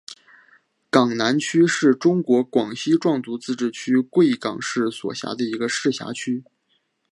港南区是中国广西壮族自治区贵港市所辖的一个市辖区。